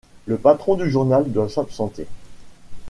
Le patron du journal doit s'absenter.